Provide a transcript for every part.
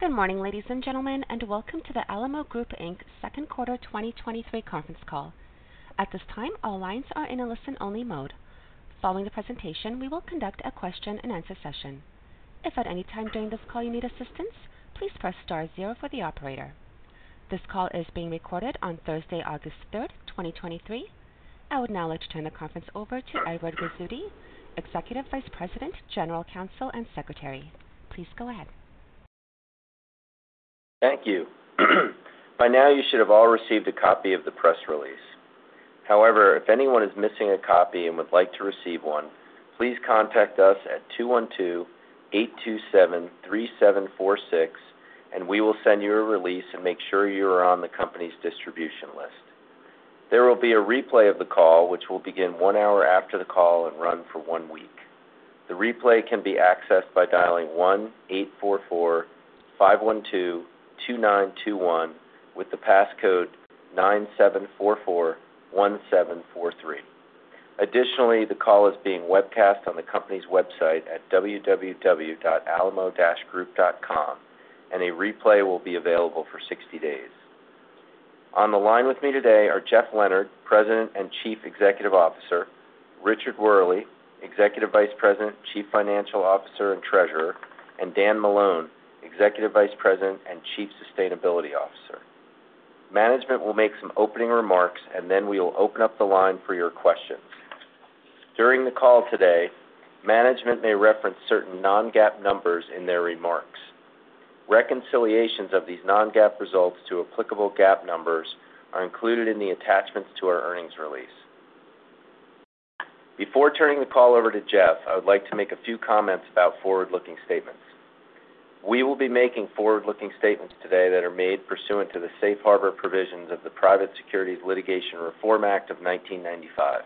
Good morning, ladies and gentlemen, and welcome to the Alamo Group Inc. Second Quarter 2023 conference call. At this time, all lines are in a listen-only mode. Following the presentation, we will conduct a question-and-answer session. If at any time during this call you need assistance, please press star zero for the operator. This call is being recorded on Thursday, August 3rd, 2023. I would now like to turn the conference over to Edward Rizzuti, Executive Vice President, General Counsel, and Secretary. Please go ahead. Thank you. By now, you should have all received a copy of the press release. However, if anyone is missing a copy and would like to receive one, please contact us at 212-827-3746, and we will send you a release and make sure you are on the company's distribution list. There will be a replay of the call, which will begin one hour after the call and run for one week. The replay can be accessed by dialing 1-844-512-2921, with the passcode 97441743. Additionally, the call is being webcast on the company's website at www.alamo-group.com, and a replay will be available for 60 days. On the line with me today are Jeff Leonard, President and Chief Executive Officer, Richard Wehrle, Executive Vice President, Chief Financial Officer, and Treasurer, and Dan Malone, Executive Vice President and Chief Sustainability Officer. Management will make some opening remarks, and then we will open up the line for your questions. During the call today, management may reference certain non-GAAP numbers in their remarks. Reconciliations of these non-GAAP results to applicable GAAP numbers are included in the attachments to our earnings release. Before turning the call over to Jeff, I would like to make a few comments about forward-looking statements. We will be making forward-looking statements today that are made pursuant to the Safe Harbor Provisions of the Private Securities Litigation Reform Act of 1995.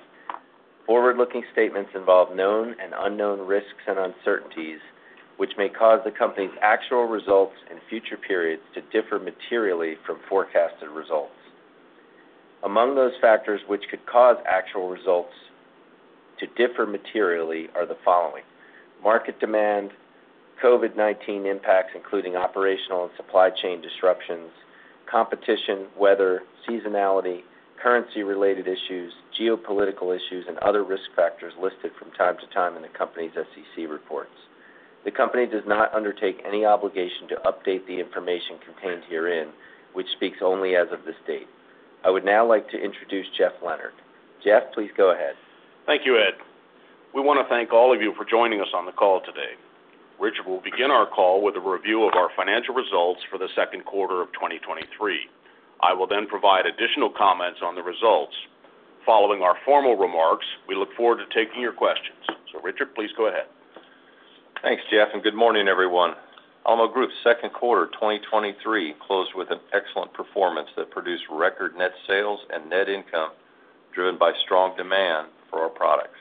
Forward-looking statements involve known and unknown risks and uncertainties, which may cause the company's actual results in future periods to differ materially from forecasted results. Among those factors which could cause actual results to differ materially are the following: market demand, COVID-19 impacts, including operational and supply chain disruptions, competition, weather, seasonality, currency-related issues, geopolitical issues, and other risk factors listed from time to time in the company's SEC reports. The company does not undertake any obligation to update the information contained herein, which speaks only as of this date. I would now like to introduce Jeff Leonard. Jeff, please go ahead. Thank you, Ed. We want to thank all of you for joining us on the call today. Richard will begin our call with a review of our financial results for the second quarter of 2023. I will provide additional comments on the results. Following our formal remarks, we look forward to taking your questions. Richard, please go ahead. Thanks, Jeff. Good morning, everyone. Alamo Group's second quarter 2023 closed with an excellent performance that produced record net sales and net income, driven by strong demand for our products.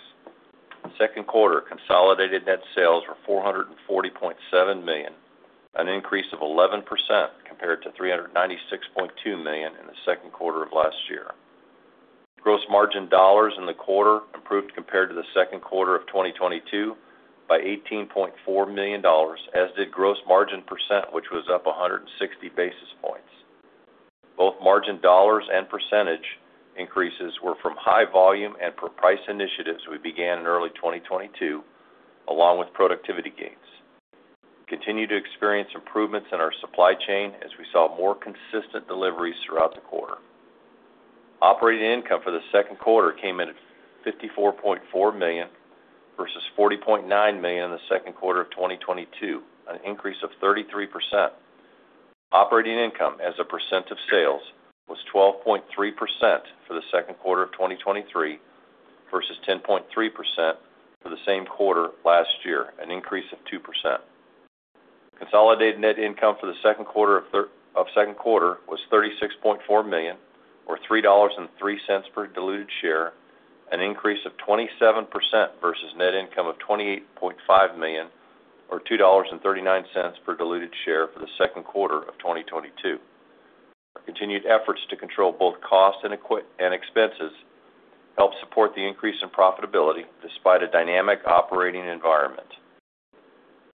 Second quarter consolidated net sales were $440.7 million, an increase of 11% compared to $396.2 million in the second quarter of last year. Gross margin dollars in the quarter improved compared to the second quarter of 2022 by $18.4 million, as did gross margin percent, which was up 160 basis points. Both margin dollars and percentage increases were from high volume and for price initiatives we began in early 2022, along with productivity gains. We continue to experience improvements in our supply chain as we saw more consistent deliveries throughout the quarter. Operating income for the second quarter came in at $54.4 million versus $40.9 million in the second quarter of 2022, an increase of 33%. Operating income as a % of sales was 12.3% for the second quarter of 2023 versus 10.3% for the same quarter last year, an increase of 2%. Consolidated net income for the second quarter of second quarter was $36.4 million, or $3.03 per diluted share, an increase of 27% versus net income of $28.5 million, or $2.39 per diluted share for the second quarter of 2022. Continued efforts to control both costs and expenses helped support the increase in profitability despite a dynamic operating environment.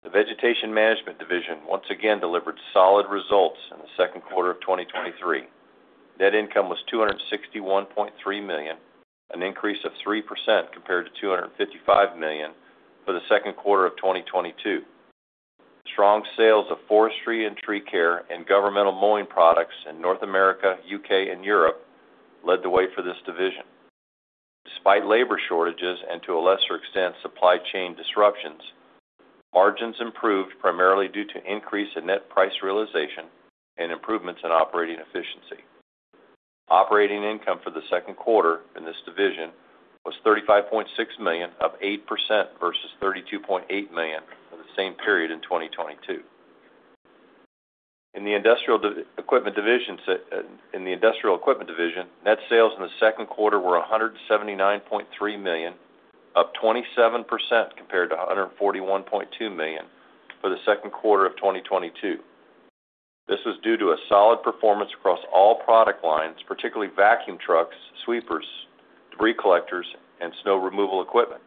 The Vegetation Management Division once again delivered solid results in the second quarter of 2023. Net income was $261.3 million, an increase of 3% compared to $255 million for the second quarter of 2022. Strong sales of forestry and tree care and governmental mowing products in North America, UK, and Europe led the way for this division. Despite labor shortages and, to a lesser extent, supply chain disruptions, margins improved primarily due to increase in net price realization and improvements in operating efficiency. Operating income for the second quarter in this division was $35.6 million, up 8% versus $32.8 million for the same period in 2022. In the Industrial Equipment Division, In the Industrial Equipment Division, net sales in the second quarter were $179.3 million, up 27%, compared to $141.2 million for the second quarter of 2022. This is due to a solid performance across all product lines, particularly vacuum trucks, sweepers, debris collectors, and snow removal equipment.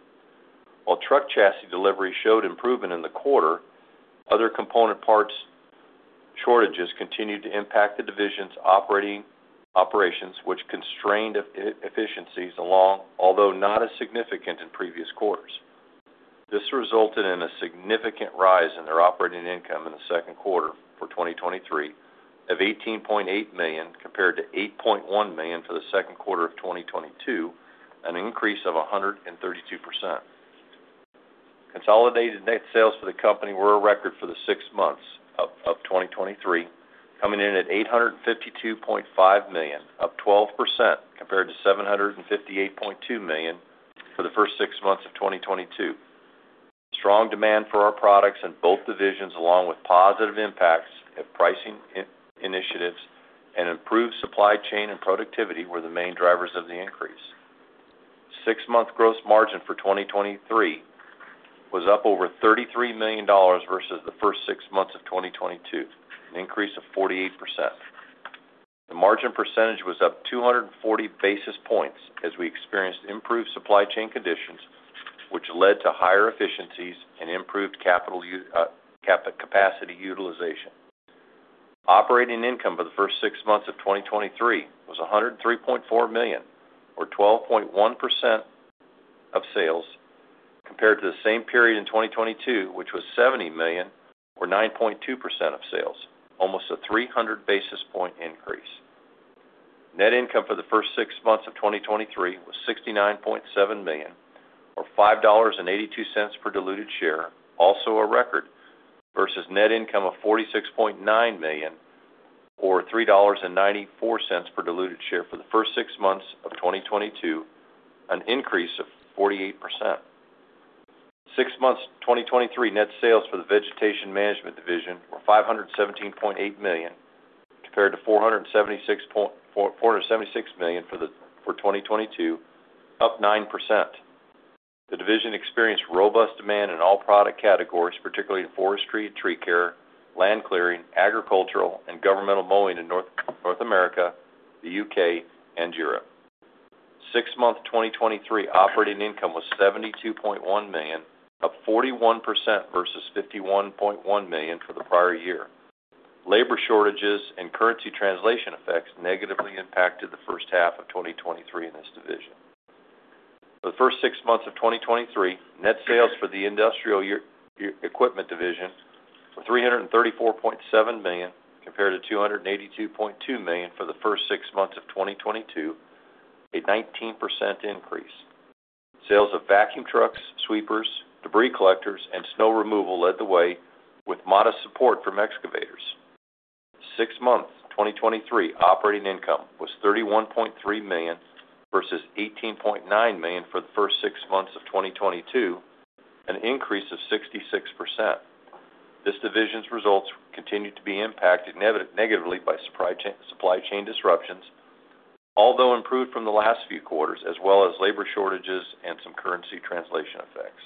While truck chassis delivery showed improvement in the quarter, other component parts shortages continued to impact the division's operations, which constrained efficiencies along, although not as significant in previous quarters. This resulted in a significant rise in their operating income in the second quarter for 2023 of $18.8 million, compared to $8.1 million for the second quarter of 2022, an increase of 132%. Consolidated net sales for the company were a record for the 6 months of 2023, coming in at $852.5 million, up 12% compared to $758.2 million for the first 6 months of 2022. Strong demand for our products in both divisions, along with positive impacts of pricing initiatives and improved supply chain and productivity, were the main drivers of the increase. 6-month gross margin for 2023 was up over $33 million versus the first 6 months of 2022, an increase of 48%. The margin percentage was up 240 basis points as we experienced improved supply chain conditions, which led to higher efficiencies and improved capital capacity utilization. Operating income for the first six months of 2023 was $103.4 million, or 12.1% of sales, compared to the same period in 2022, which was $70 million, or 9.2% of sales, almost a 300 basis point increase. Net income for the first six months of 2023 was $69.7 million, or $5.82 per diluted share, also a record, versus net income of $46.9 million, or $3.94 per diluted share for the first six months of 2022, an increase of 48%. Six months 2023 net sales for the Vegetation Management Division were $517.8 million, compared to $476 million for 2022, up 9%. The division experienced robust demand in all product categories, particularly in forestry, tree care, land clearing, agricultural, and governmental mowing in North America, the UK, and Europe. Six-month 2023 operating income was $72.1 million, up 41% versus $51.1 million for the prior year. Labor shortages and currency translation effects negatively impacted the first half of 2023 in this division. For the first six months of 2023, net sales for the Industrial Equipment Division were $334.7 million, compared to $282.2 million for the first six months of 2022, a 19% increase. Sales of vacuum trucks, sweepers, debris collectors, and snow removal led the way, with modest support from excavators. 6 months 2023 operating income was $31.3 million versus $18.9 million for the first 6 months of 2022, an increase of 66%. This division's results continued to be impacted negatively by supply chain, supply chain disruptions, although improved from the last few quarters, as well as labor shortages and some currency translation effects.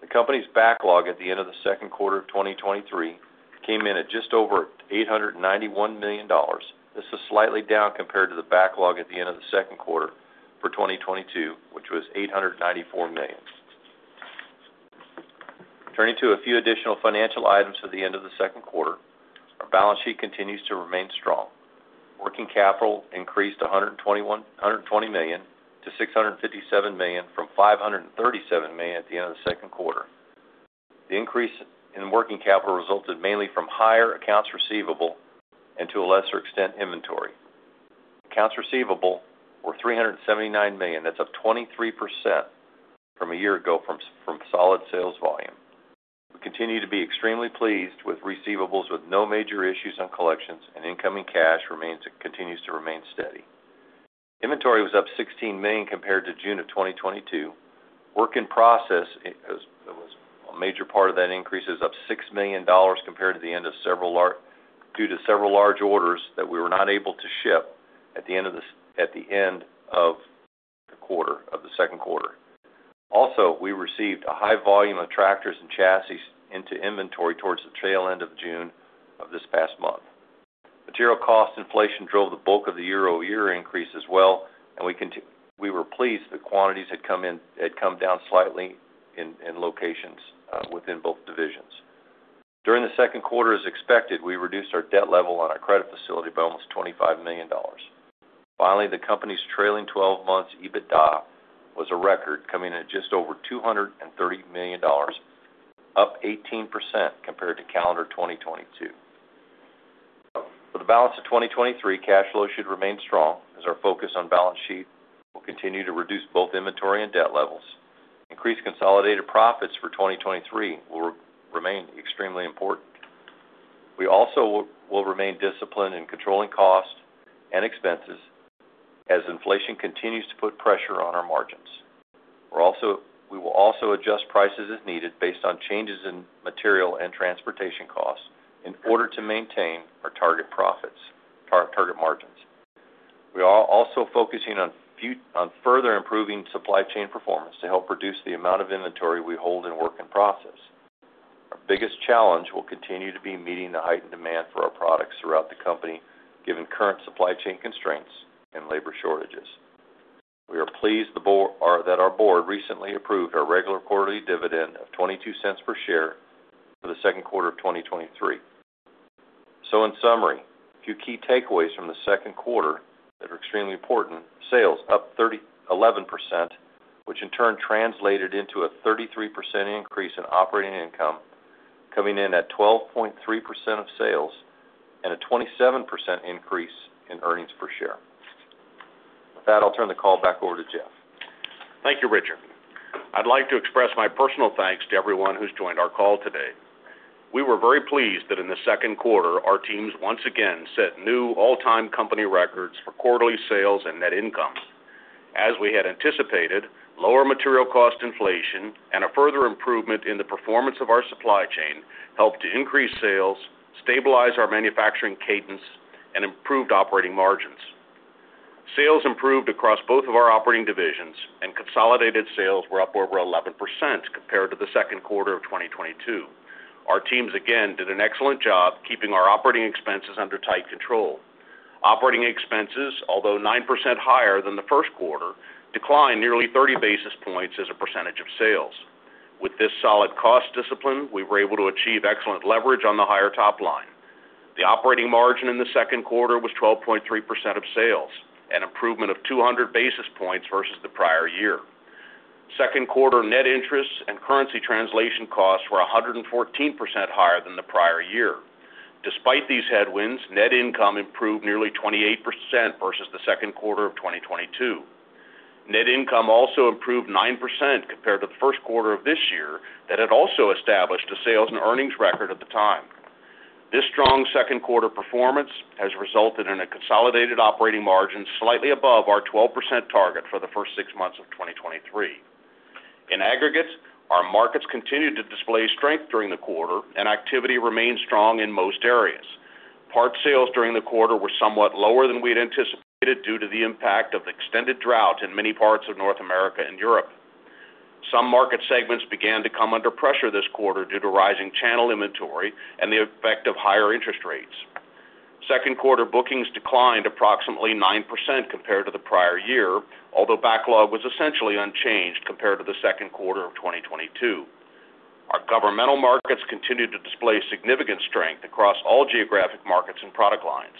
The company's backlog at the end of the second quarter of 2023 came in at just over $891 million. This is slightly down compared to the backlog at the end of the second quarter for 2022, which was $894 million. Turning to a few additional financial items for the end of the second quarter, our balance sheet continues to remain strong. Working capital increased $120 million to $657 million, from $537 million at the end of the second quarter. The increase in working capital resulted mainly from higher accounts receivable and, to a lesser extent, inventory. Accounts receivable were $379 million. That's up 23% from a year ago from solid sales volume. We continue to be extremely pleased with receivables, with no major issues on collections, and incoming cash continues to remain steady. Inventory was up $16 million compared to June of 2022. Work in process, it was a major part of that increase, is up $6 million due to several large orders that we were not able to ship at the end of the second quarter. Also, we received a high volume of tractors and chassis into inventory towards the tail end of June of this past month. Material cost inflation drove the bulk of the year-over-year increase as well, and we were pleased the quantities had come down slightly in locations within both divisions. During the second quarter, as expected, we reduced our debt level on our credit facility by almost $25 million. Finally, the company's trailing twelve months, EBITDA, was a record, coming in at just over $230 million, up 18% compared to calendar 2022. For the balance of 2023, cash flow should remain strong, as our focus on balance sheet will continue to reduce both inventory and debt levels. Increased consolidated profits for 2023 will remain extremely important. We also will remain disciplined in controlling costs and expenses as inflation continues to put pressure on our margins. We will also adjust prices as needed based on changes in material and transportation costs in order to maintain our target profits, our target margins. We are also focusing on further improving supply chain performance to help reduce the amount of inventory we hold in work in process. Our biggest challenge will continue to be meeting the heightened demand for our products throughout the company, given current supply chain constraints and labor shortages. We are pleased that our board recently approved our regular quarterly dividend of $0.22 per share for the second quarter of 2023. In summary, a few key takeaways from the second quarter that are extremely important. Sales up 11%, which in turn translated into a 33% increase in operating income, coming in at 12.3% of sales and a 27% increase in earnings per share. With that, I'll turn the call back over to Jeff. Thank you, Richard. I'd like to express my personal thanks to everyone who's joined our call today. We were very pleased that in the second quarter, our teams once again set new all-time company records for quarterly sales and net income. As we had anticipated, lower material cost inflation and a further improvement in the performance of our supply chain helped to increase sales, stabilize our manufacturing cadence, and improved operating margins. Sales improved across both of our operating divisions, and consolidated sales were up over 11% compared to the second quarter of 2022. Our teams again did an excellent job keeping our operating expenses under tight control. Operating expenses, although 9% higher than the first quarter, declined nearly 30 basis points as a percentage of sales. With this solid cost discipline, we were able to achieve excellent leverage on the higher top line. The operating margin in the second quarter was 12.3% of sales, an improvement of 200 basis points versus the prior year. Second quarter net interests and currency translation costs were 114% higher than the prior year. Despite these headwinds, net income improved nearly 28% versus the second quarter of 2022. Net income also improved 9% compared to the first quarter of this year, that had also established a sales and earnings record at the time. This strong second quarter performance has resulted in a consolidated operating margin slightly above our 12% target for the first six months of 2023. In aggregate, our markets continued to display strength during the quarter, and activity remained strong in most areas. Part sales during the quarter were somewhat lower than we'd anticipated due to the impact of the extended drought in many parts of North America and Europe. Some market segments began to come under pressure this quarter due to rising channel inventory and the effect of higher interest rates. Second quarter bookings declined approximately 9% compared to the prior year, although backlog was essentially unchanged compared to the second quarter of 2022. Our governmental markets continued to display significant strength across all geographic markets and product lines.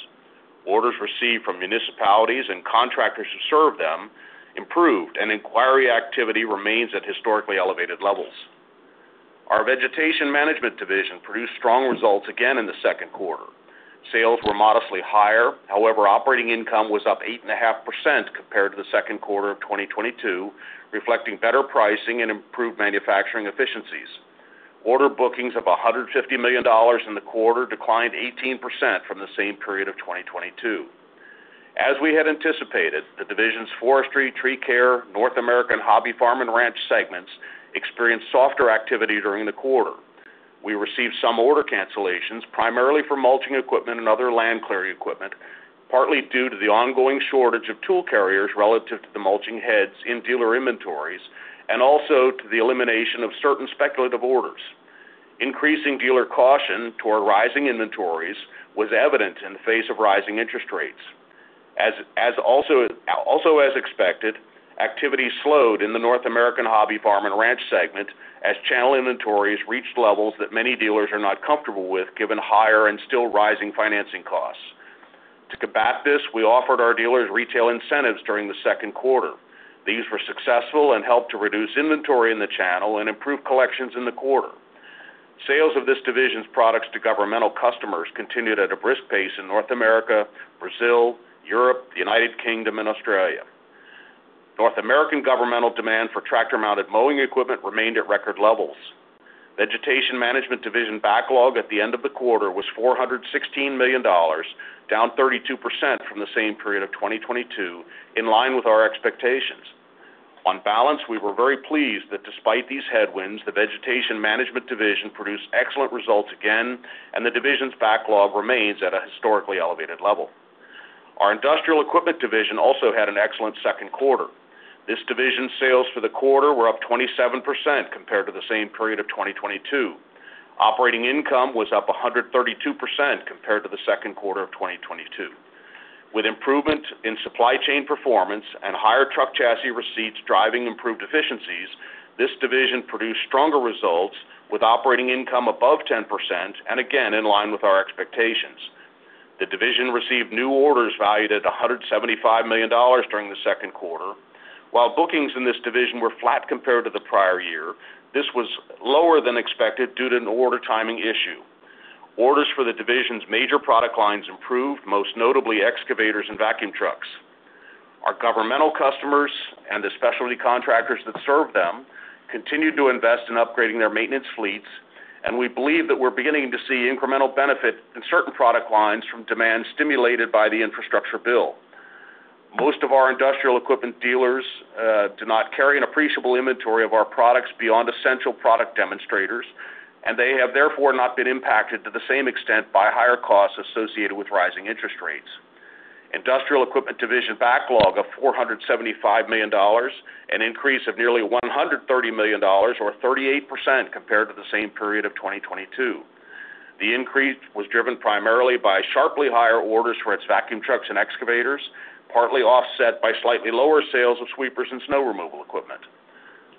Orders received from municipalities and contractors who serve them improved. Inquiry activity remains at historically elevated levels. Our Vegetation Management Division produced strong results again in the second quarter. Sales were modestly higher. However, operating income was up 8.5% compared to the second quarter of 2022, reflecting better pricing and improved manufacturing efficiencies. Order bookings of $150 million in the quarter declined 18% from the same period of 2022. As we had anticipated, the division's Forestry, Tree Care, North American Hobby, Farm and Ranch segments experienced softer activity during the quarter. We received some order cancellations, primarily for mulching equipment and other land clearing equipment, partly due to the ongoing shortage of tool carriers relative to the mulching heads in dealer inventories, and also to the elimination of certain speculative orders. Increasing dealer caution toward rising inventories was evident in the face of rising interest rates. As also as expected, activity slowed in the North American Hobby, Farm and Ranch segment as channel inventories reached levels that many dealers are not comfortable with, given higher and still rising financing costs. To combat this, we offered our dealers retail incentives during the second quarter. These were successful and helped to reduce inventory in the channel and improve collections in the quarter. Sales of this division's products to governmental customers continued at a brisk pace in North America, Brazil, Europe, the United Kingdom, and Australia. North American governmental demand for tractor-mounted mowing equipment remained at record levels. Vegetation Management division backlog at the end of the quarter was $416 million, down 32% from the same period of 2022, in line with our expectations. On balance, we were very pleased that despite these headwinds, the Vegetation Management division produced excellent results again, and the division's backlog remains at a historically elevated level. Our Industrial Equipment division also had an excellent second quarter. This division's sales for the quarter were up 27% compared to the same period of 2022. Operating income was up 132% compared to the second quarter of 2022. With improvement in supply chain performance and higher truck chassis receipts driving improved efficiencies, this division produced stronger results, with operating income above 10% and again in line with our expectations. The division received new orders valued at $175 million during the second quarter. While bookings in this division were flat compared to the prior year, this was lower than expected due to an order timing issue. Orders for the division's major product lines improved, most notably excavators and vacuum trucks. Our governmental customers and the specialty contractors that serve them continued to invest in upgrading their maintenance fleets, and we believe that we're beginning to see incremental benefit in certain product lines from demand stimulated by the infrastructure bill. Most of our industrial equipment dealers do not carry an appreciable inventory of our products beyond essential product demonstrators. They have therefore not been impacted to the same extent by higher costs associated with rising interest rates. Industrial Equipment Division backlog of $475 million, an increase of nearly $130 million, or 38% compared to the same period of 2022. The increase was driven primarily by sharply higher orders for its vacuum trucks and excavators, partly offset by slightly lower sales of sweepers and snow removal equipment.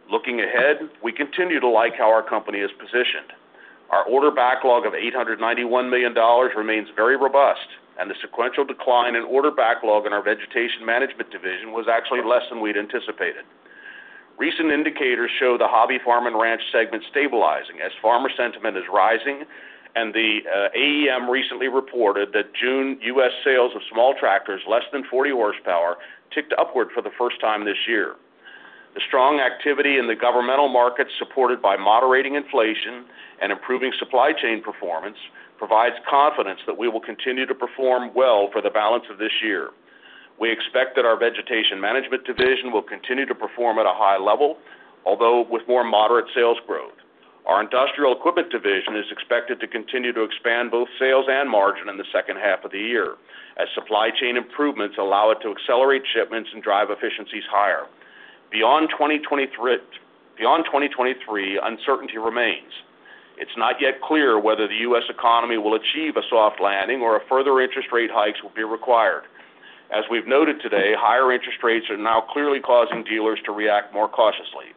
Looking ahead, we continue to like how our company is positioned. Our order backlog of $891 million remains very robust. The sequential decline in order backlog in our Vegetation Management Division was actually less than we'd anticipated. Recent indicators show the Hobby, Farm and Ranch segment stabilizing as farmer sentiment is rising, and the AEM recently reported that June US sales of small tractors, less than 40 horsepower, ticked upward for the first time this year. The strong activity in the governmental market, supported by moderating inflation and improving supply chain performance, provides confidence that we will continue to perform well for the balance of this year. We expect that our Vegetation Management Division will continue to perform at a high level, although with more moderate sales growth. Our Industrial Equipment Division is expected to continue to expand both sales and margin in the second half of the year, as supply chain improvements allow it to accelerate shipments and drive efficiencies higher. Beyond 2023, uncertainty remains. It's not yet clear whether the U.S. economy will achieve a soft landing or if further interest rate hikes will be required. As we've noted today, higher interest rates are now clearly causing dealers to react more cautiously.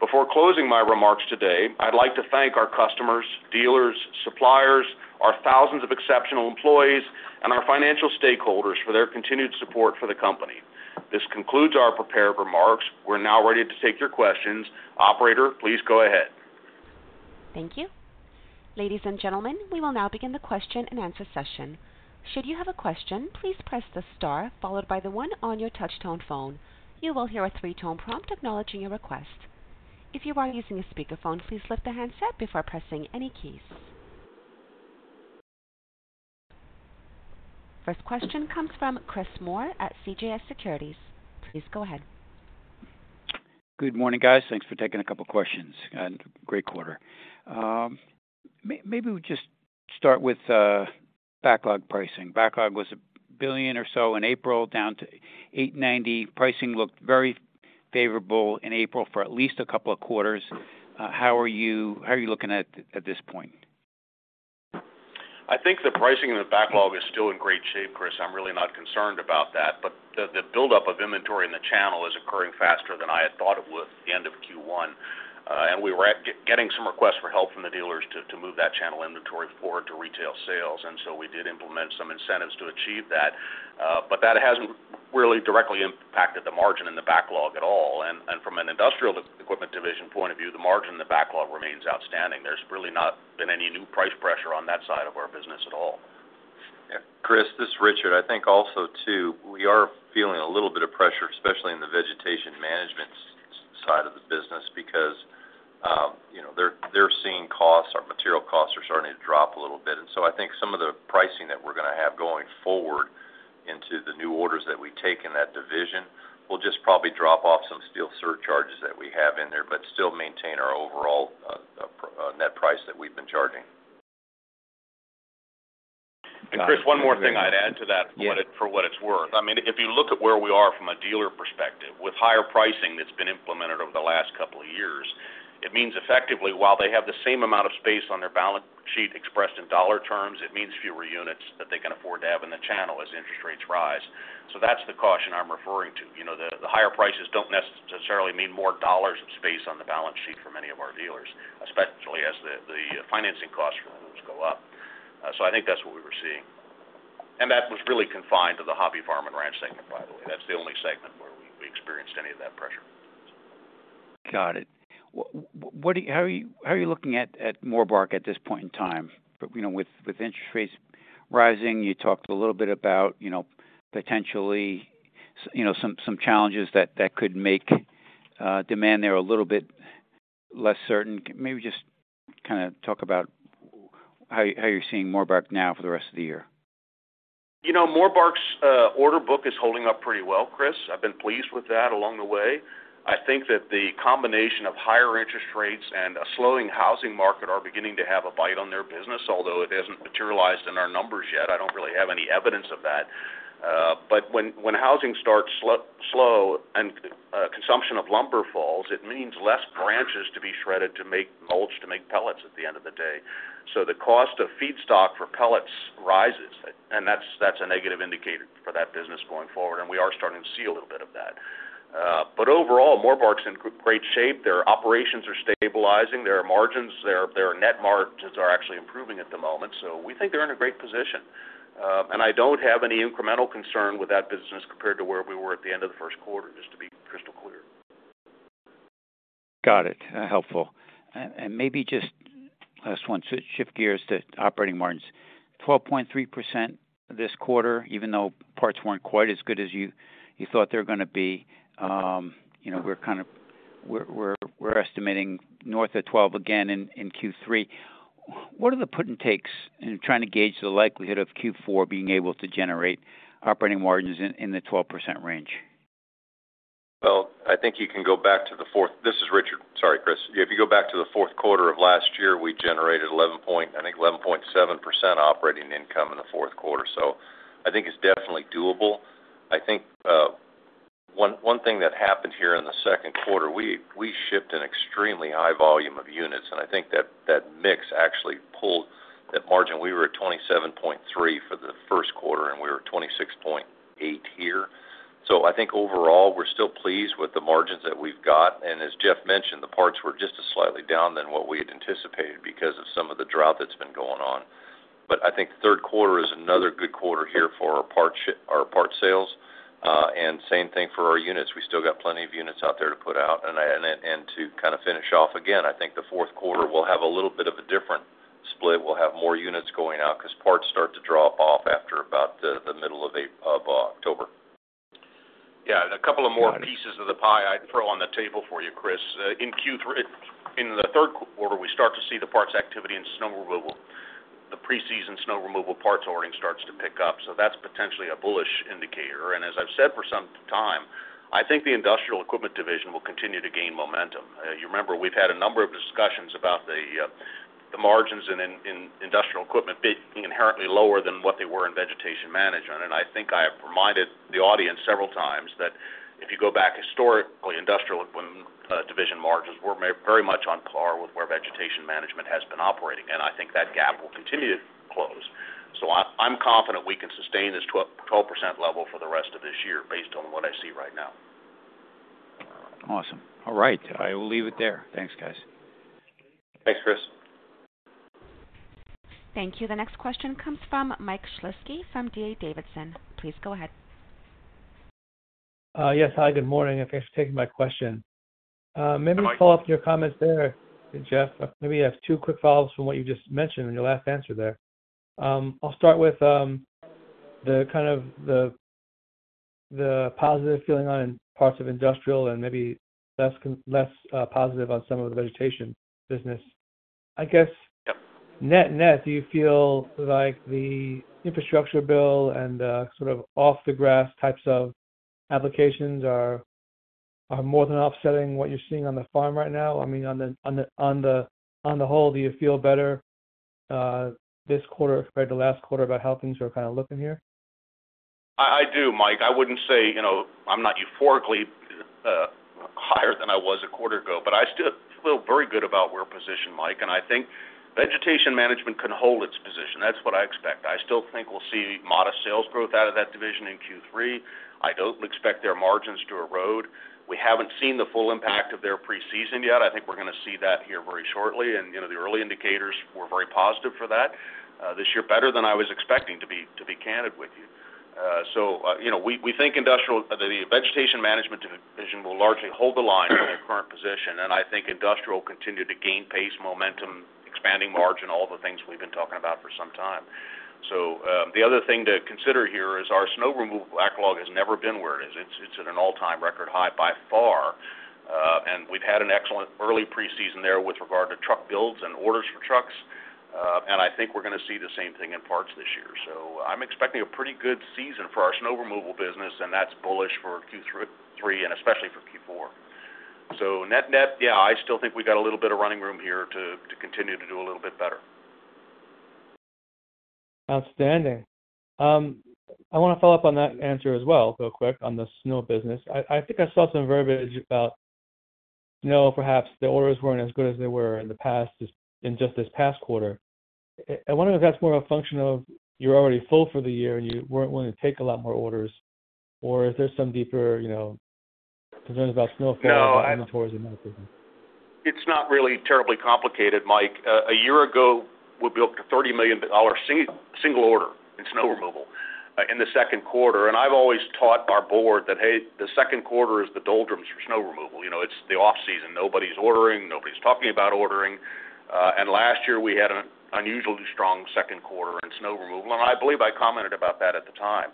Before closing my remarks today, I'd like to thank our customers, dealers, suppliers, our thousands of exceptional employees, and our financial stakeholders for their continued support for the company. This concludes our prepared remarks. We're now ready to take your questions. Operator, please go ahead. Thank you. Ladies and gentlemen, we will now begin the question-and-answer session. Should you have a question, please press the star followed by the one on your touchtone phone. You will hear a three-tone prompt acknowledging your request. If you are using a speakerphone, please lift the handset before pressing any keys. First question comes from Chris Moore at CJS Securities. Please go ahead. Good morning, guys. Thanks for taking a couple questions, and great quarter. Maybe we just start with backlog pricing. Backlog was $1 billion or so in April, down to $890. Pricing looked very favorable in April for at least a couple of quarters. How are you looking at, at this point? I think the pricing in the backlog is still in great shape, Chris. I'm really not concerned about that, the buildup of inventory in the channel is occurring faster than I had thought it would at the end of Q1. We were getting some requests for help from the dealers to move that channel inventory forward to retail sales, we did implement some incentives to achieve that. That hasn't really directly impacted the margin in the backlog at all. From an Industrial Equipment Division point of view, the margin in the backlog remains outstanding. There's really not been any new price pressure on that side of our business at all. Yeah, Chris, this is Richard. I think also, too, we are feeling a little bit of pressure, especially in the Vegetation Management side of the business, because, you know, they're, they're seeing costs, our material costs are starting to drop a little bit. I think some of the pricing that we're going to have going forward into the new orders that we take in that division will just probably drop off some steel surcharges that we have in there, but still maintain our overall net price that we've been charging. Chris, one more thing I'd add to that. Yeah -for what it's worth. I mean, if you look at where we are from a dealer perspective, with higher pricing that's been implemented over the last couple of years, it means effectively, while they have the same amount of space on their balance sheet expressed in dollar terms, it means fewer units that they can afford to have in the channel as interest rates rise. That's the caution I'm referring to. You know, the higher prices don't necessarily mean more dollars of space on the balance sheet for many of our dealers, especially as the financing costs for loans go up. So I think that's what we were seeing. That was really confined to the Hobby, Farm, and Ranch segment, by the way. That's the only segment where we, we experienced any of that pressure. Got it. What do you-- how are you, how are you looking at Morbark at this point in time? You know, with interest rates rising, you talked a little bit about, you know, potentially, some challenges that could make demand there a little bit less certain. Maybe just kind of talk about how you, how you're seeing Morbark now for the rest of the year. You know, Morbark's order book is holding up pretty well, Chris. I've been pleased with that along the way. I think that the combination of higher interest rates and a slowing housing market are beginning to have a bite on their business, although it hasn't materialized in our numbers yet. I don't really have any evidence of that. When, when housing starts slow and consumption of lumber falls, it means less branches to be shredded to make mulch, to make pellets at the end of the day. The cost of feedstock for pellets rises, and that's, that's a negative indicator for that business going forward, and we are starting to see a little bit of that. Overall, Morbark's in great shape. Their operations are stabilizing, their margins, their, their net margins are actually improving at the moment, so we think they're in a great position. And I don't have any incremental concern with that business compared to where we were at the end of the first quarter, just to be crystal clear. Got it. Helpful. Maybe just last one, shift gears to operating margins. 12.3% this quarter, even though parts weren't quite as good as you, you thought they were gonna be. you know, we're kind of... We're, we're, we're estimating north of 12 again in, in Q3. What are the give-and-takes in trying to gauge the likelihood of Q4 being able to generate operating margins in, in the 12% range? Well, I think you can go back to the fourth. This is Richard. Sorry, Chris. If you go back to the 4th quarter of last year, we generated 11.7% operating income in the 4th quarter. I think it's definitely doable. I think, one thing that happened here in the 2nd quarter, we shipped an extremely high volume of units, and I think that, that mix actually pulled that margin. We were at 27.3 for the 1st quarter, and we were 26.8 here. I think overall, we're still pleased with the margins that we've got. As Jeff mentioned, the parts were just slightly down than what we had anticipated because of some of the drought that's been going on. I think the 3rd quarter is another good quarter here for our parts sales. Same thing for our units. We still got plenty of units out there to put out. To kind of finish off again, I think the 4th quarter will have a little bit of a different split. We'll have more units going out because parts start to drop off after about the middle of October. Yeah, a couple of more pieces of the pie I'd throw on the table for you, Chris. In Q3, in the third quarter, we start to see the parts activity in snow removal. The preseason snow removal parts ordering starts to pick up, so that's potentially a bullish indicator. As I've said for some time, I think the Industrial Equipment Division will continue to gain momentum. You remember, we've had a number of discussions about the margins in Industrial Equipment being inherently lower than what they were in Vegetation Management. I think I have reminded the audience several times that if you go back historically, Industrial Equipment Division margins were very much on par with where Vegetation Management has been operating, and I think that gap will continue to close. I'm confident we can sustain this 12% level for the rest of this year based on what I see right now. Awesome. All right, I will leave it there. Thanks, guys. Thanks, Chris. Thank you. The next question comes from Mike Shlisky from D.A. Davidson. Please go ahead. Yes. Hi, good morning. Thanks for taking my question. Maybe to follow up your comments there, Jeff, maybe I have two quick follows from what you just mentioned in your last answer there. I'll start with the kind of the positive feeling on parts of industrial and maybe less, less positive on some of the vegetation business. I guess, net, net, do you feel like the infrastructure bill and the sort of off the grass types of applications are more than offsetting what you're seeing on the farm right now? I mean, on the whole, do you feel better this quarter compared to last quarter about how things are kind of looking here? I, I do, Mike. I wouldn't say, you know, I'm not euphorically higher than I was a quarter ago. I still feel very good about where we're positioned, Mike. I think Vegetation Management can hold its position. That's what I expect. I still think we'll see modest sales growth out of that division in Q3. I don't expect their margins to erode. We haven't seen the full impact of their preseason yet. I think we're going to see that here very shortly. You know, the early indicators were very positive for that this year, better than I was expecting, to be, to be candid with you. You know, we, we think Industrial, the Vegetation Management Division will largely hold the line in their current position, and I think Industrial will continue to gain pace, momentum, expanding margin, all the things we've been talking about for some time. The other thing to consider here is our snow removal backlog has never been where it is. It's, it's at an all-time record high by far, and we've had an excellent early preseason there with regard to truck builds and orders for trucks. I think we're going to see the same thing in parts this year. I'm expecting a pretty good season for our snow removal business, and that's bullish for Q3, and especially for Q4. Net, net, yeah, I still think we've got a little bit of running room here to continue to do a little bit better. Outstanding. I want to follow up on that answer as well, real quick, on the snow business. I, I think I saw some verbiage about snow. Perhaps the orders weren't as good as they were in the past, just in just this past quarter. I wonder if that's more a function of you're already full for the year and you weren't willing to take a lot more orders, or is there some deeper, you know, concerns about snowfall? No. Inventories or something? It's not really terribly complicated, Mike. A year ago, we built a $30 million single order in snow removal in the second quarter. I've always taught our board that, hey, the second quarter is the doldrums for snow removal. You know, it's the off-season. Nobody's ordering, nobody's talking about ordering. Last year, we had an unusually strong second quarter in snow removal. I believe I commented about that at the time.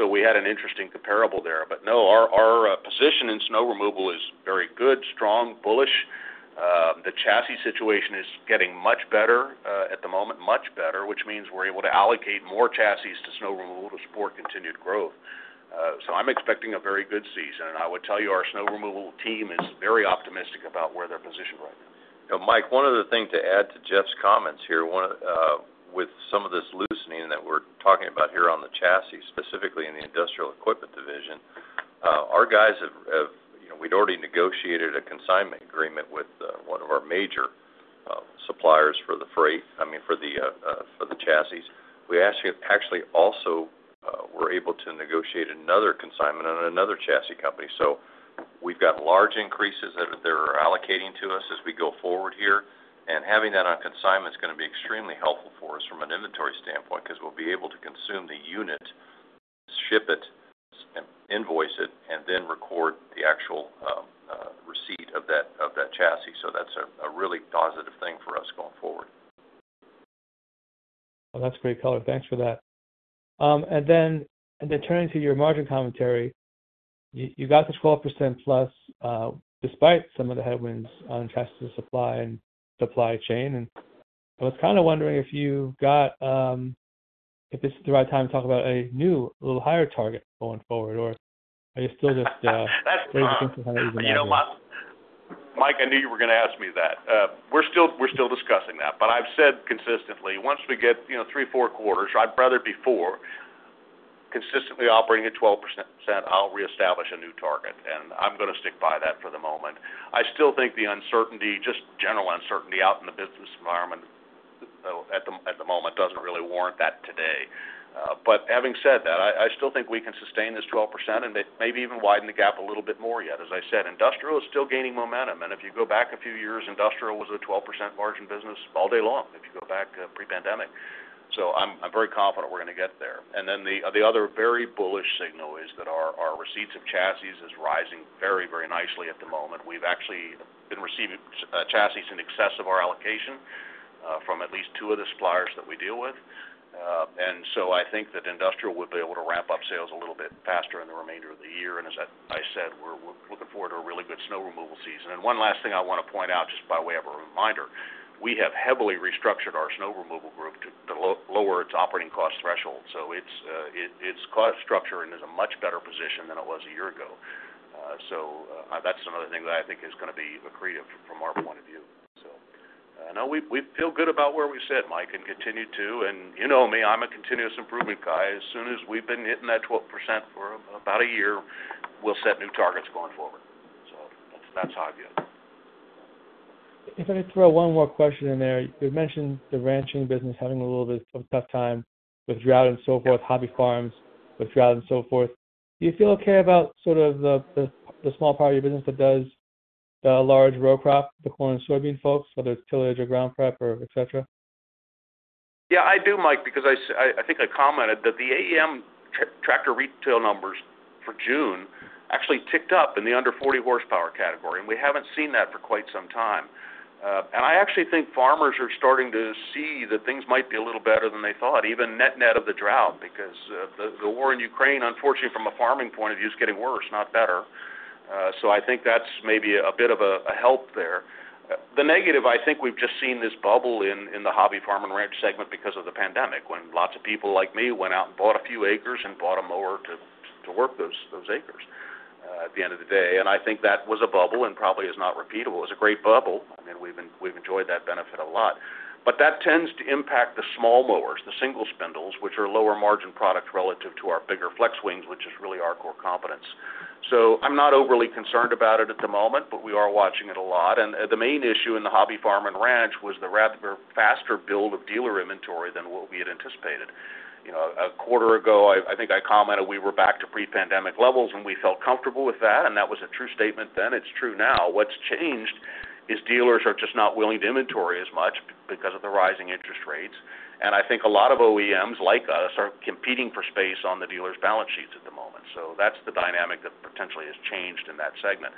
We had an interesting comparable there. No, our, our position in snow removal is very good, strong, bullish. The chassis situation is getting much better at the moment. Much better, which means we're able to allocate more chassis to snow removal to support continued growth. I'm expecting a very good season, and I would tell you, our snow removal team is very optimistic about where they're positioned right now. You know, Mike, one other thing to add to Jeff's comments here. One, with some of this loosening that we're talking about here on the chassis, specifically in the Industrial Equipment Division, our guys have We'd already negotiated a consignment agreement with, one of our major, suppliers for the freight, I mean, for the, for the chassis. We actually also were able to negotiate another consignment on another chassis company. We've got large increases that they're allocating to us as we go forward here, and having that on consignment is going to be extremely helpful for us from an inventory standpoint, because we'll be able to consume the unit, ship it, and invoice it, and then record the actual receipt of that, of that chassis. That's a, a really positive thing for us going forward. Well, that's great color. Thanks for that. Then, and then turning to your margin commentary, you, you got the 12% plus, despite some of the headwinds on chassis supply and supply chain, and I was kind of wondering if you got, If this is the right time to talk about a new, little higher target going forward, or are you still just? That's, you know, Mike, I knew you were gonna ask me that. We're still, we're still discussing that. I've said consistently, once we get, you know, three, four quarters, I'd rather it be four, consistently operating at 12%, I'll reestablish a new target, and I'm gonna stick by that for the moment. I still think the uncertainty, just general uncertainty out in the business environment, at the, at the moment, doesn't really warrant that today. Having said that, I, I still think we can sustain this 12% and maybe even widen the gap a little bit more yet. As I said, industrial is still gaining momentum, and if you go back a few years, industrial was a 12% margin business all day long, if you go back, pre-pandemic. I'm, I'm very confident we're gonna get there. The other very bullish signal is that our, our receipts of chassis is rising very, very nicely at the moment. We've actually been receiving chassis in excess of our allocation from at least 2 of the suppliers that we deal with. I think that Industrial would be able to ramp up sales a little bit faster in the remainder of the year. As I said, we're looking forward to a really good snow removal season. One last thing I want to point out, just by way of a reminder, we have heavily restructured our snow removal group to lower its operating cost threshold. It's its cost structure is in a much better position than it was a year ago. That's another thing that I think is gonna be accretive from our point of view. No, we, we feel good about where we sit, Mike, and continue to, and you know me, I'm a continuous improvement guy. As soon as we've been hitting that 12% for about a year, we'll set new targets going forward. That's, that's how I view it. If I may throw one more question in there. You mentioned the ranching business having a little bit of a tough time with drought and so forth, hobby farms with drought and so forth. Do you feel okay about sort of the, the, the small part of your business that does the large row crop, the corn and soybean folks, whether it's tillage or ground prep or et cetera? Yeah, I do, Mike, because I, I think I commented that the AEM tractor retail numbers for June actually ticked up in the under 40 horsepower category, and we haven't seen that for quite some time. I actually think farmers are starting to see that things might be a little better than they thought, even net net of the drought, because the war in Ukraine, unfortunately, from a farming point of view, is getting worse, not better. I think that's maybe a bit of a, a help there. The negative, I think we've just seen this bubble in the Hobby, Farm and Ranch segment because of the pandemic, when lots of people like me went out and bought a few acres and bought a mower to, to work those, those acres at the end of the day. I think that was a bubble and probably is not repeatable. It was a great bubble. I mean, we've enjoyed that benefit a lot. That tends to impact the small mowers, the single spindles, which are lower margin products relative to our bigger flex wings, which is really our core competence. I'm not overly concerned about it at the moment, but we are watching it a lot. The main issue in the Hobby, Farm and Ranch was the rather faster build of dealer inventory than what we had anticipated. You know, a quarter ago, I think I commented we were back to pre-pandemic levels, and we felt comfortable with that, and that was a true statement then. It's true now. What's changed is dealers are just not willing to inventory as much because of the rising interest rates. I think a lot of OEMs, like us, are competing for space on the dealers' balance sheets at the moment. That's the dynamic that potentially has changed in that segment.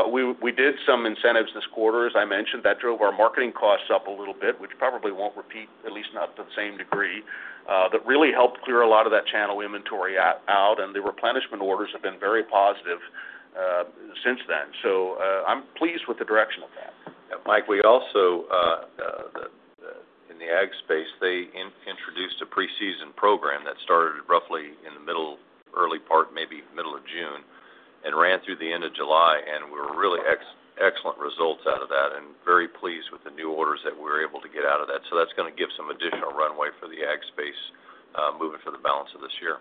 We, we did some incentives this quarter, as I mentioned, that drove our marketing costs up a little bit, which probably won't repeat, at least not to the same degree. That really helped clear a lot of that channel inventory out, and the replenishment orders have been very positive since then. I'm pleased with the direction of that. Mike, we also, in the ag space, they introduced a preseason program that started roughly in the middle, early part, maybe middle of June, and ran through the end of July, and we were really excellent results out of that and very pleased with the new orders that we were able to get out of that. That's gonna give some additional runway for the ag space, moving for the balance of this year.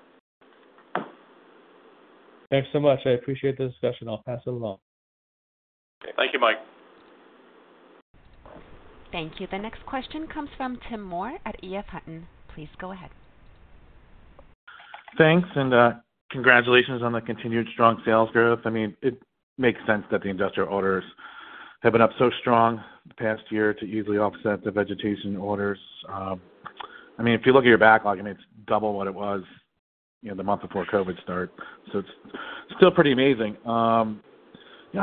Thanks so much. I appreciate the discussion. I'll pass it along. Thank you, Mike. Thank you. The next question comes from Tim Moore at EF Hutton. Please go ahead. Thanks, and congratulations on the continued strong sales growth. I mean, it makes sense that the industrial orders have been up so strong the past year to easily offset the vegetation orders. I mean, if you look at your backlog, I mean, it's double what it was, you know, the month before COVID started, so it's still pretty amazing. I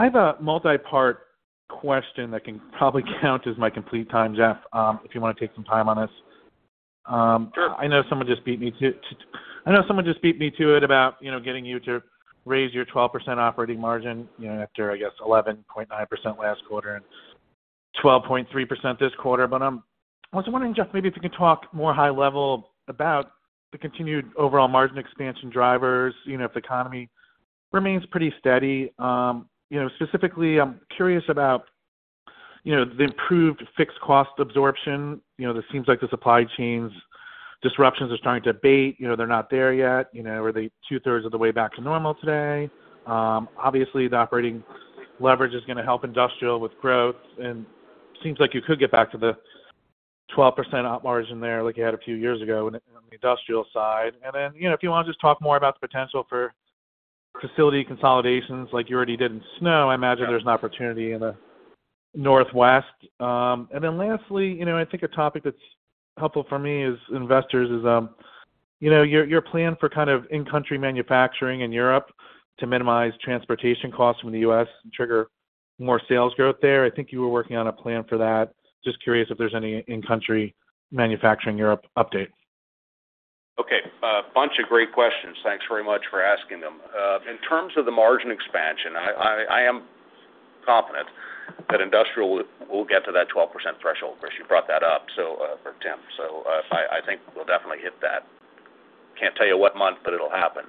have a multi-part question that can probably count as my complete time, Jeff, if you want to take some time on this. Sure. I know someone just beat me to it about, you know, getting you to raise your 12% operating margin, you know, after, I guess, 11.9% last quarter and 12.3% this quarter. I was wondering, Jeff, maybe if you could talk more high level about the continued overall margin expansion drivers, you know, if the economy remains pretty steady. You know, specifically, I'm curious about, you know, the improved fixed cost absorption. You know, this seems like the supply chains disruptions are starting to abate. You know, they're not there yet, you know, or they 2/3 of the way back to normal today. Obviously, the operating leverage is gonna help industrial with growth, seems like you could get back to the 12% op margin there, like you had a few years ago on the industrial side. You know, if you want to just talk more about the potential for facility consolidations, like you already did in snow, I imagine there's an opportunity in the Northwest. Lastly, you know, I think a topic that's helpful for me as investors is, you know, your, your plan for kind of in-country manufacturing in Europe to minimize transportation costs from the US and trigger more sales growth there. I think you were working on a plan for that. Just curious if there's any in-country manufacturing Europe update. Okay, a bunch of great questions. Thanks very much for asking them. In terms of the margin expansion, I am confident that industrial will, will get to that 12% threshold. Of course, you brought that up, so for Tim. I think we'll definitely hit that. Can't tell you what month, but it'll happen.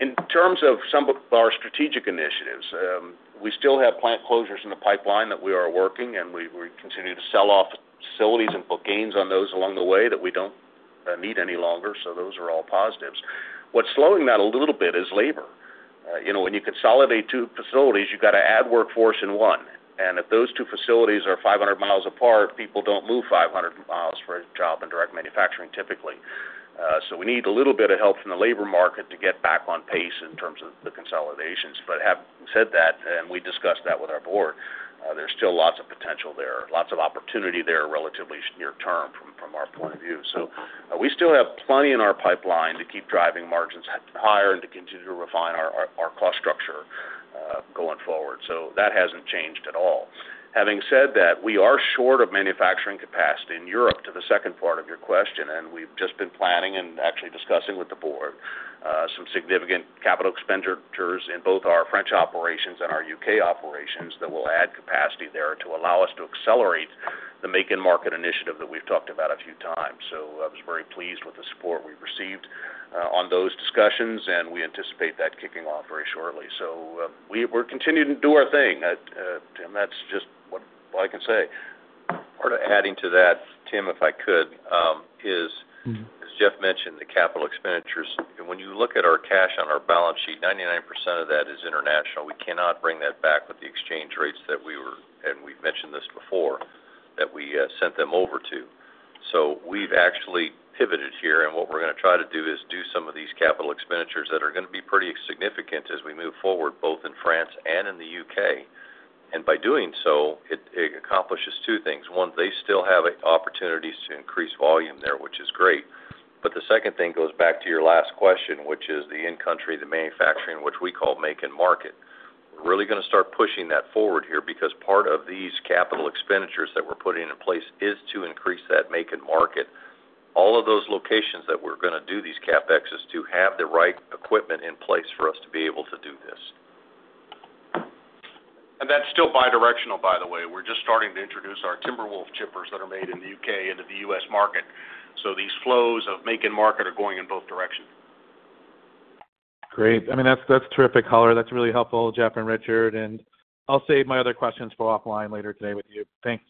In terms of some of our strategic initiatives, we still have plant closures in the pipeline that we are working, and we, we continue to sell off facilities and book gains on those along the way that we don't need any longer, so those are all positives. What's slowing that a little bit is labor. You know, when you consolidate 2 facilities, you've got to add workforce in 1, and if those 2 facilities are 500 miles apart, people don't move 500 miles for a job in direct manufacturing, typically. So we need a little bit of help from the labor market to get back on pace in terms of the consolidations. Having said that, and we discussed that with our board, there's still lots of potential there, lots of opportunity there, relatively near term from, from our point of view. We still have plenty in our pipeline to keep driving margins higher and to continue to refine our, our, our cost structure, going forward. That hasn't changed at all. Having said that, we are short of manufacturing capacity in Europe, to the second part of your question, we've just been planning and actually discussing with the board, some significant capital expenditures in both our French operations and our UK operations that will add capacity there to allow us to accelerate the make and market initiative that we've talked about a few times. I was very pleased with the support we received, on those discussions, and we anticipate that kicking off very shortly. We're continuing to do our thing. Tim, that's just what all I can say. Adding to that, Tim, if I could. Mm-hmm. As Jeff mentioned, the capital expenditures. When you look at our cash on our balance sheet, 99% of that is international. We cannot bring that back with the exchange rates that we were, and we've mentioned this before, that we sent them over to. We've actually pivoted here, and what we're going to try to do is do some of these capital expenditures that are going to be pretty significant as we move forward, both in France and in the UK. By doing so, it, it accomplishes two things: one, they still have opportunities to increase volume there, which is great. The second thing goes back to your last question, which is the in-country, the manufacturing, which we call make and market. We're really going to start pushing that forward here, because part of these capital expenditures that we're putting in place is to increase that make and market. All of those locations that we're going to do these CapEx is to have the right equipment in place for us to be able to do this. That's still bidirectional, by the way. We're just starting to introduce our Timberwolf chippers that are made in the U.K. into the U.S. market. These flows of make and market are going in both directions. Great. I mean, that's, that's terrific, color. That's really helpful, Jeff and Richard, and I'll save my other questions for offline later today with you. Thanks.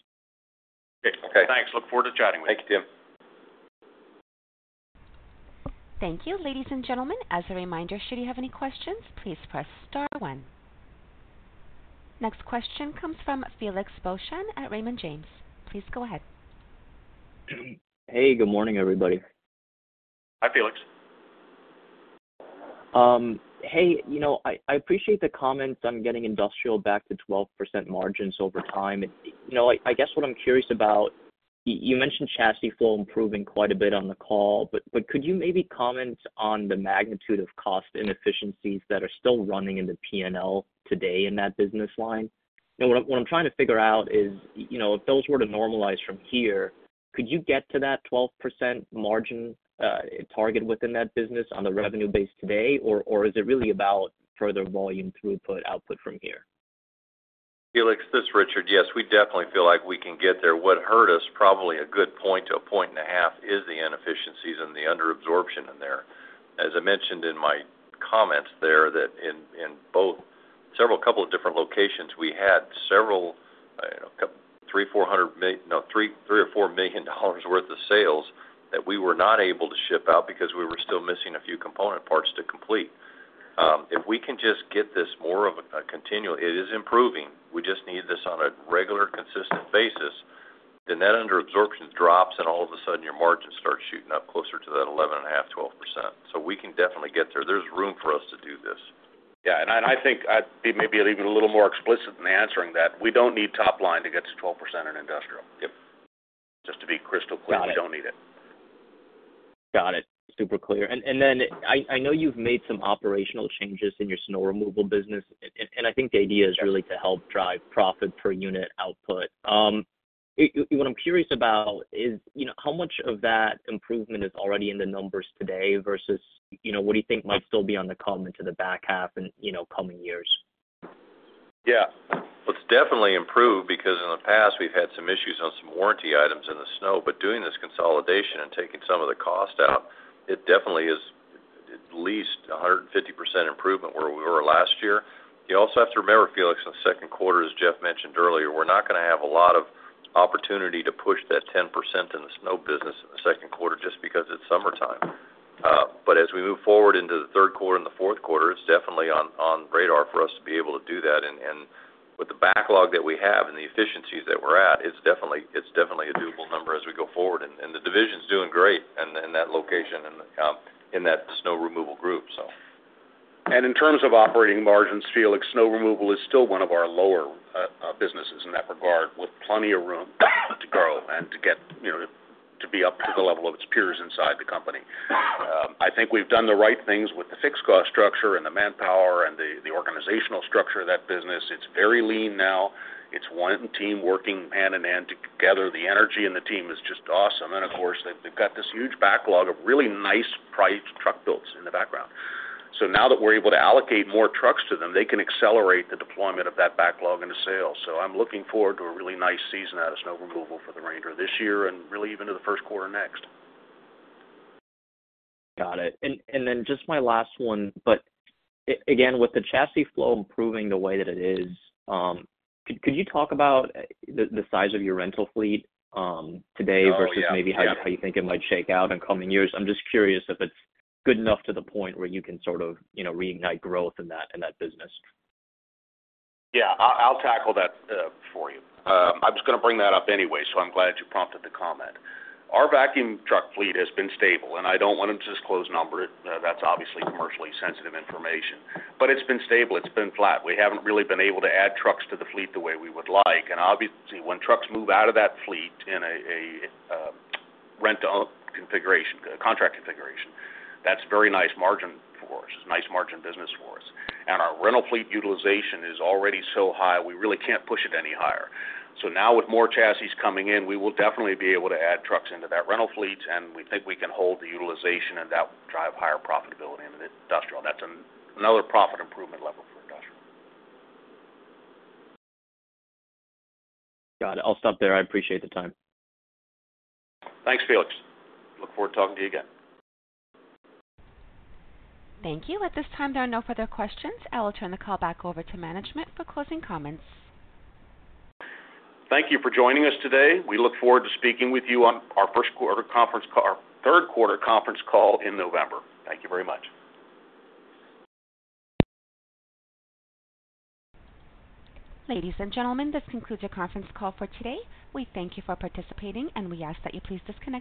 Okay. Thanks. Look forward to chatting with you. Thank you, Tim. Thank you. Ladies and gentlemen, as a reminder, should you have any questions, please press star one. Next question comes from Felix Boeschen at Raymond James. Please go ahead. Hey, good morning, everybody. Hi, Felix. Hey, you know, I, I appreciate the comments on getting industrial back to 12% margins over time. You know, I, I guess what I'm curious about, y-you mentioned chassis flow improving quite a bit on the call, but, but could you maybe comment on the magnitude of cost inefficiencies that are still running in the PNL today in that business line? What I'm, what I'm trying to figure out is, you know, if those were to normalize from here, could you get to that 12% margin target within that business on the revenue base today? Or, or is it really about further volume throughput output from here? Felix, this is Richard. Yes, we definitely feel like we can get there. What hurt us, probably a good 1 point to 1.5 points, is the inefficiencies and the underabsorption in there. As I mentioned in my comments there, that in, in both several couple of different locations, we had several $3 million-$4 million worth of sales that we were not able to ship out because we were still missing a few component parts to complete. If we can just get this more of a continual, it is improving. We just need this on a regular, consistent basis, then that underabsorption drops, and all of a sudden, your margins start shooting up closer to that 11.5%-12%. We can definitely get there. There's room for us to do this. Yeah, I think I'd be maybe even a little more explicit in answering that. We don't need top line to get to 12% in Industrial. Yep. Just to be crystal clear. Got it. we don't need it. Got it. Super clear. Then I, I know you've made some operational changes in your snow removal business, and, and I think the idea is really to help drive profit per unit output. What I'm curious about is, you know, how much of that improvement is already in the numbers today versus, you know, what do you think might still be on the come into the back half and, you know, coming years? Yeah. It's definitely improved because in the past we've had some issues on some warranty items in the snow, but doing this consolidation and taking some of the cost out, it definitely is at least 150% improvement where we were last year. You also have to remember, Felix, in the second quarter, as Jeff mentioned earlier, we're not going to have a lot of opportunity to push that 10% in the snow business in the second quarter just because it's summertime. As we move forward into the third quarter and the fourth quarter, it's definitely on, on radar for us to be able to do that. And with the backlog that we have and the efficiencies that we're at, it's definitely, it's definitely a doable number as we go forward. and the division is doing great in, in that location and, in that snow removal group, so. In terms of operating margins, Felix, snow removal is still one of our lower businesses in that regard, with plenty of room to grow and to get, you know, to be up to the level of its peers inside the company. I think we've done the right things with the fixed cost structure and the manpower and the organizational structure of that business. It's very lean now. One team working hand in hand together. The energy in the team is just awesome. Of course, they've got this huge backlog of really nice priced truck builds in the background. Now that we're able to allocate more trucks to them, they can accelerate the deployment of that backlog into sales. I'm looking forward to a really nice season out of snow removal for the Ranger this year and really even to the first quarter next. Got it. Then just my last one, but again, with the chassis flow improving the way that it is, could, could you talk about the size of your rental fleet today? Oh, yeah. Versus maybe how you, how you think it might shake out in coming years? I'm just curious if it's good enough to the point where you can sort of, you know, reignite growth in that, in that business. Yeah, I, I'll tackle that for you. I was going to bring that up anyway, so I'm glad you prompted the comment. Our vacuum truck fleet has been stable, and I don't want to disclose numbers. That's obviously commercially sensitive information, but it's been stable. It's been flat. We haven't really been able to add trucks to the fleet the way we would like. Obviously, when trucks move out of that fleet in a rent-to-own configuration, contract configuration, that's very nice margin for us. It's a nice margin business for us. Our rental fleet utilization is already so high, we really can't push it any higher. Now with more chassis coming in, we will definitely be able to add trucks into that rental fleet, and we think we can hold the utilization and that will drive higher profitability into the Industrial. That's another profit improvement level for industrial. Got it. I'll stop there. I appreciate the time. Thanks, Felix. Look forward to talking to you again. Thank you. At this time, there are no further questions. I will turn the call back over to management for closing comments. Thank you for joining us today. We look forward to speaking with you on our first quarter conference call, our third quarter conference call in November. Thank you very much. Ladies and gentlemen, this concludes your conference call for today. We thank you for participating. We ask that you please disconnect your-